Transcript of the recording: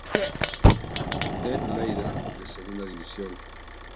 E. Lleida de Segunda División.